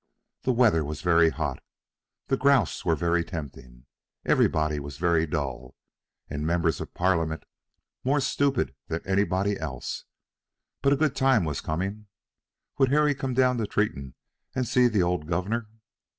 The weather was very hot, the grouse were very tempting, everybody was very dull, and members of Parliament more stupid than anybody else; but a good time was coming. Would Harry come down to Tretton and see the old governor?